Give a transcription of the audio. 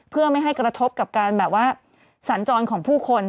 เพื่อไม่ให้กระทบกับการแบบว่าสัญจรของผู้คน